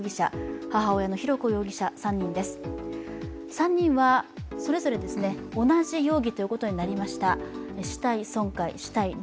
３人はそれぞれ同じ容疑ということになりました。